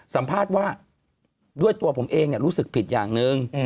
สัมภาษณ์ว่าด้วยตัวผมเองรู้สึกผิดอย่างหนึ่ง